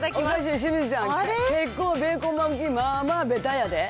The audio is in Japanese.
清水ちゃん、結構、ベーコン巻き、まあまあベタやで。